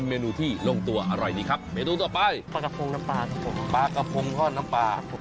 เมนูต่อไปปลากระพงน้ำปลาครับผมปลากระพงทอดน้ำปลาครับ